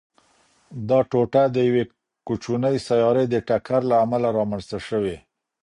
دا ټوټه د یوې کوچنۍ سیارې د ټکر له امله رامنځته شوې.